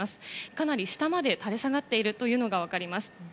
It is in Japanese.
かなり下まで垂れ下がっているのが分かります。